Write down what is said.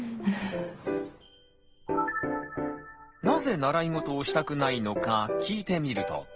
なぜ習い事をしたくないのか聞いてみると。